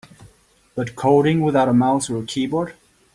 But coding without a mouse or a keyboard?